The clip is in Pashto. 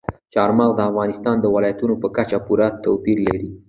چار مغز د افغانستان د ولایاتو په کچه پوره توپیر لري.